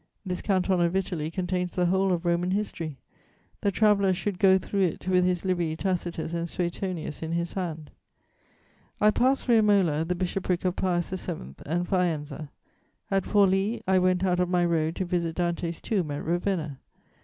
This canton of Italy contains the whole of Roman history: the traveller should go through it with his Livy, Tacitus and Suetonius in his hand. [Sidenote: Dante's tomb.] "I passed through Imola, the bishopric of Pius VII., and Faenza. At Forli I went out of my road to visit Dante's tomb at Ravenna.